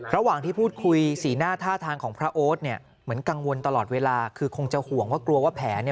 ระหว่างที่พูดคุยสีหน้าท่าทางของพระโอ๊ตเนี่ยเหมือนกังวลตลอดเวลาคือคงจะห่วงว่ากลัวว่าแผลเนี่ย